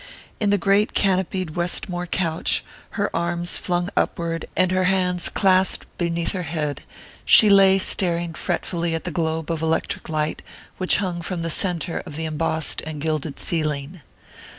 In the great canopied Westmore couch, her arms flung upward and her hands clasped beneath her head, she lay staring fretfully at the globe of electric light which hung from the centre of the embossed and gilded ceiling.